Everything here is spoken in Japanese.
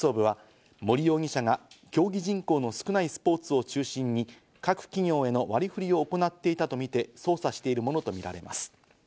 特捜部は森容疑者が競技人口の少ないスポーツを中心に各企業への割り振りを行っていたとみて捜査しているものとみられます。